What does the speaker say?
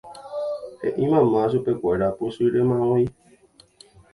He'i mamá chupekuéra pochýremavoi.